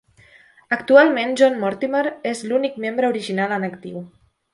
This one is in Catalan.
Actualment John Mortimer és l'únic membre original en actiu.